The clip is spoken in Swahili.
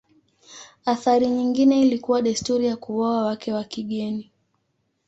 Athari nyingine ilikuwa desturi ya kuoa wake wa kigeni.